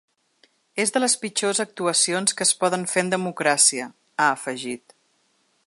És de les pitjors actuacions que es poden fer en democràcia, ha afegit.